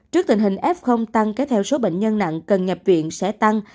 trước tình hình f tăng kéo theo số bệnh nhân nặng cần nhập viện sẽ tăng